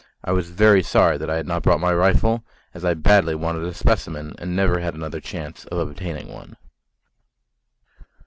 I was very sorry that I had not brought my rifle, as I badly wanted a specimen and never had another chance of obtaining one.